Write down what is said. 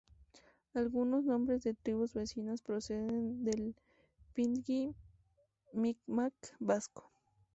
Algunos nombres de tribus vecinas proceden del pidgin micmac-vasco.